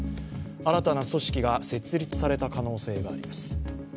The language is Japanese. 新たな組織が設立された可能性があります。